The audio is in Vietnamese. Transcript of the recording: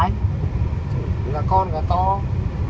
gà thịt được gà to nhưng mà không đi đường này đâu